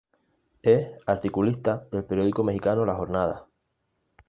Es articulista del periódico mexicano "La Jornada".